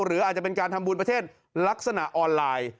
หรืออาจจะเป็นการทำบุญประเทศลักษณะออนไลน์